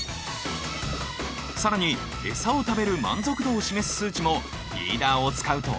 更にエサを食べる満足度を示す数値もフィーダーを使うとアップ！